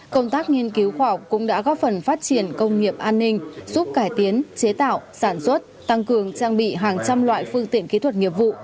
công tác nghiên cứu khoa học cũng đã góp phần phát triển công nghiệp an ninh giúp cải tiến chế tạo sản xuất tăng cường trang bị hàng trăm loại phương tiện kỹ thuật nghiệp vụ